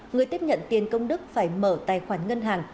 người tiếp nhận tiền công đức phải mở tài khoản ngân hàng